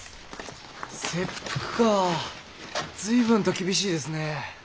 切腹か随分と厳しいですね。